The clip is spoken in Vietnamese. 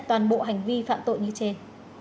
toàn bộ hành vi phạm tội như trên